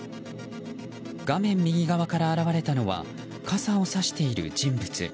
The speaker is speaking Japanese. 画面右側から現れたのは傘をさしている人物。